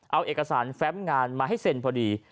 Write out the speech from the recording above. เอาเอกสารแฟมงานมาให้เซ็นพอดี